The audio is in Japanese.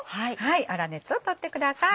粗熱を取ってください。